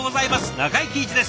中井貴一です。